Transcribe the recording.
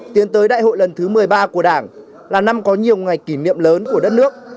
tiến tới đại hội lần thứ một mươi ba của đảng là năm có nhiều ngày kỷ niệm lớn của đất nước